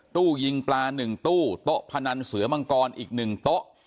ตู้ยิงปลา๑ตู้โต๊ะพนันเสือมังกรอีก๑โต๊ะ